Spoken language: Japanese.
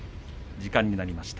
時間になりました。